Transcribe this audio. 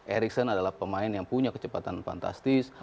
ericson adalah pemain yang punya kecepatan fantastis